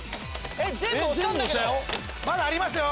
まだありますよ